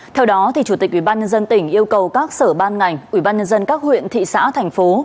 theo đó chủ tịch ubnd tỉnh yêu cầu các sở ban ngành ubnd các huyện thị xã thành phố